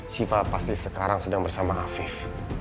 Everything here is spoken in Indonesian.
siva pasti sekarang sedang bersama afif